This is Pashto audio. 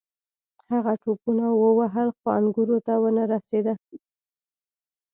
هغې ټوپونه ووهل خو انګورو ته ونه رسیده.